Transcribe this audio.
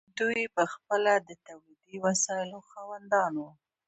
دوی پخپله د تولیدي وسایلو خاوندان وو.